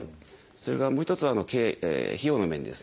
それからもう一つは費用の面ですね。